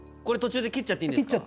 これ途中で切っちゃっていい？